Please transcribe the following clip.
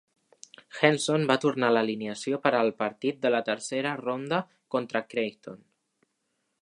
Henson va tornar a l'alineació per al partir de la tercera ronda contra Creighton.